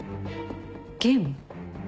ゲーム？